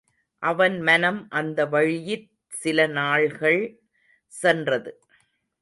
அவன் மனம் அந்த வழியிற் சில நாள்கள் சென்றது.